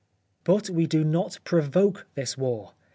" But we do not provoke this war.